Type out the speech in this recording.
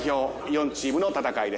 ４チームの戦いです。